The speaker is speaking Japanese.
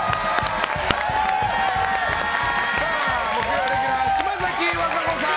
木曜レギュラー、島崎和歌子さん。